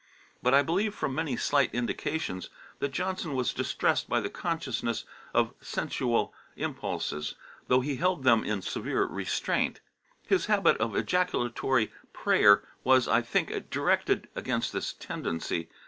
But I believe, from many slight indications, that Johnson was distressed by the consciousness of sensual impulses, though he held them in severe restraint. His habit of ejaculatory prayer was, I think, directed against this tendency.